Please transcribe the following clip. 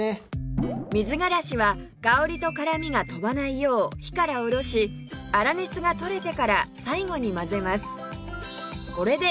水辛子は香りと辛みが飛ばないよう火から下ろし粗熱が取れてから最後に混ぜます